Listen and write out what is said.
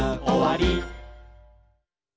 「おわり」